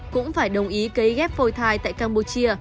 cũng phải đồng ý cấy ghép phôi thai tại campuchia